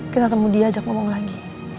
kita temu dia ajak ngomong lagi